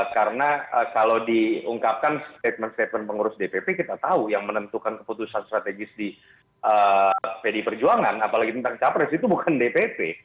karena kalau diungkapkan statement statement pengurus dpp kita tahu yang menentukan keputusan strategis di pdi perjuangan apalagi tentang capres itu bukan dpp